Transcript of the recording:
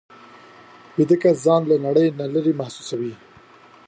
ویده کس ځان له نړۍ نه لېرې محسوسوي